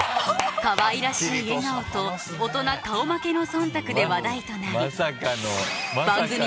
かわいらしい笑顔と大人顔負けの忖度で話題となり番組